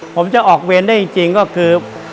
ผมจะออกเวรได้จริงก็คือ